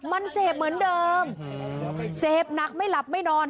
มันเสพเหมือนเดิมเสพหนักไม่หลับไม่นอน